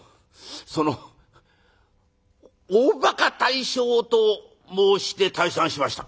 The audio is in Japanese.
その『大ばか大将』と申して退散しました」。